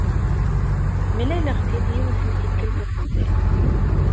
Mlaleɣ-t-id yiwet n tikkelt weqbel.